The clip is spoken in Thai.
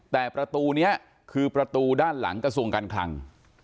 แต่ประตูนี้คือประตูด้านหลังกระทรวงการคลัง